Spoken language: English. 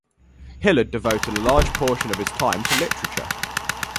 Hillard devoted a large portion of his time to literature.